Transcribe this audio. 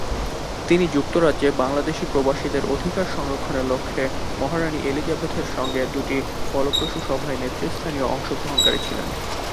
তিনি যুক্তরাজ্যে বাংলাদেশি প্রবাসীদের অধিকার সংরক্ষণের লক্ষ্যে মহারাণী এলিজাবেথের সঙ্গে দুটি ফলপ্রসূ সভায় নেতৃস্থানীয় অংশ গ্রহণকারী ছিলেন।